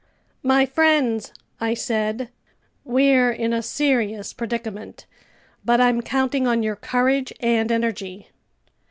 "My friends," I said, "we're in a serious predicament, but I'm counting on your courage and energy."